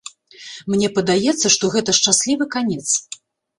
Мне падаецца, што гэта шчаслівы канец.